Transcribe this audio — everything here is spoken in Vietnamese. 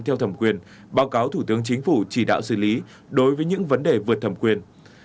theo thẩm quyền báo cáo thủ tướng chính phủ chỉ đạo xử lý đối với những vấn đề vượt thẩm quyền